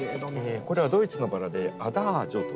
これはドイツのバラで「アダージョ」という。